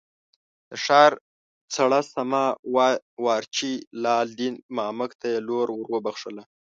د ښار څړه سما وارچي لال دین مامک ته یې لور ور وبخښله.